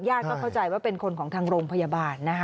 เข้าใจว่าเป็นคนของทางโรงพยาบาลนะคะ